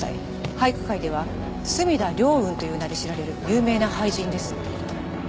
俳句界では墨田凌雲という名で知られる有名な俳人です。